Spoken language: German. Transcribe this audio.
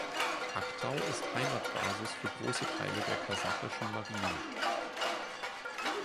Aqtau ist Heimatbasis für große Teile der kasachischen Marine.